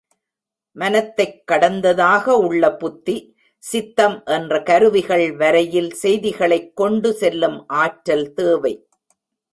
மனத்தைக் கடந்ததாக உள்ள புத்தி, சித்தம் என்ற கருவிகள் வரையில் செய்திகளைக் கொண்டு செல்லும் ஆற்றல் தேவை.